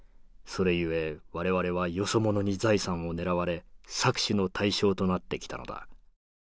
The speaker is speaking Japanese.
それゆえ我々はよそ者に財産を狙われ搾取の対象となってきたのだ。